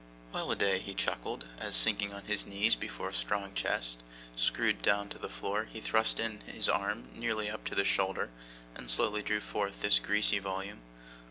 'Well a day!' he chuckled, as sinking on his knees before a strong chest screwed down to the floor, he thrust in his arm nearly up to the shoulder, and slowly drew forth this greasy volume.